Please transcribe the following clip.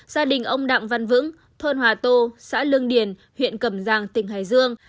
gia đình ông đặng văn vững thôn hòa tô xã lương điền huyện cầm giang tỉnh hải dương